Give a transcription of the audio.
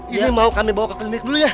ini mau kami bawa ke klinik dulu ya